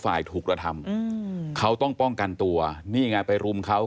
ฝ่ายถูกกระทำเขาต้องป้องกันตัวนี่ไงไปรุมเขา